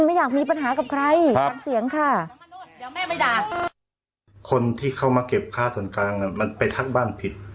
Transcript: ไม่อยากมีปัญหากับใคร